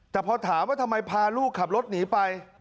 แต่พอถามว่าทำไมพาลูกขับรถหนีไป